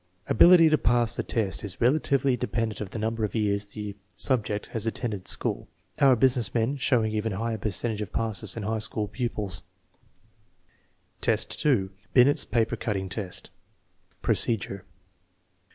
Ability to pass the test is relatively inde pendent of the number of years the ,subject has attended school, our business men showing even a higher percentage of passes than high school pupils. Superior adult, 2 : Binet's paper cutting test Procedure.